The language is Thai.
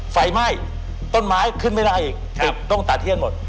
ไฟไหม้ต้นไม้ขึ้นไม่ได้อีกต้องตาเที่ยงหมด